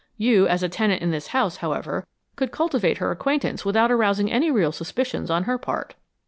You, as a tenant in this house, however, could cultivate her acquaintance without arousing any real suspicions on her part."